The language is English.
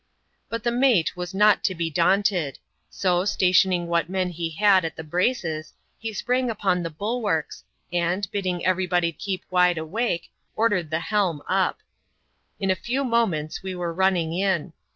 But the mate was not to be daunted; so, stationing what men he had at the braces, he sprang upon the bulwarks, and, bidding every body keep wide awake, ordered the helm up In a few moments, we were running in.